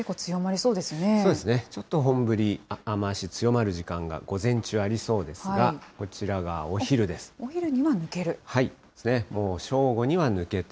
そうですね、ちょっと本降り、雨足強まる時間が午前中ありそうお昼には抜ける。